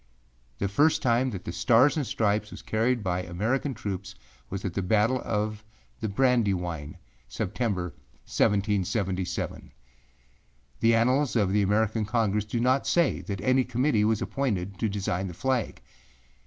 The first time that the Stars and Stripes was carried by American troops was at the battle of the Brandywine, September, 1777. The Annals of the American Congress do not say that any Committee was appointed to design the flag.